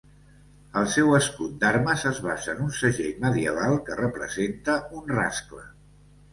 El seu escut d'armes es basa en un segell medieval que representa un rascle.